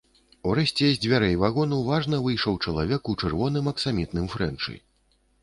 Урэшце з дзвярэй вагону важна выйшаў чалавек у чырвоным аксамітным фрэнчы.